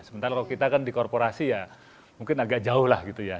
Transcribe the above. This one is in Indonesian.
sementara kalau kita kan di korporasi ya mungkin agak jauh lah gitu ya